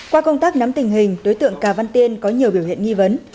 qua công tác nắm tình hình đối tượng cà văn tiên có nhiều biểu hiện nghi vấn